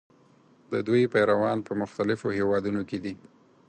د دوی پیروان په مختلفو هېوادونو کې دي.